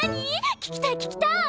聞きたい聞きたい！